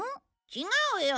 違うよ。